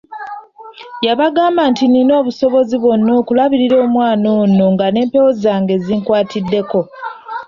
Yabagamba nti, "Nnina obusobozi bwonna obulabirira omwana ono nga n'empewo zange zinkwatiddeko."